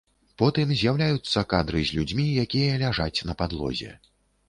Потым з'яўляюцца кадры з людзьмі, якія ляжаць на падлозе.